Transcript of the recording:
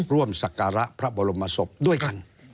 ร่วมศักระพระบรมศพด้วยกัน